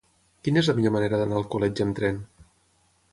Quina és la millor manera d'anar a Alcoletge amb tren?